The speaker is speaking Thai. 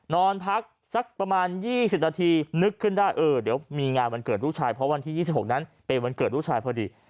นอนพักสักประมาณ๒๐นาทีนึกขึ้นได้เออเดี๋ยวมีงานวันเกิดลูกชายเพราะวันที่๒๖นั้นเป็นวันเกิดลูกชายพอดี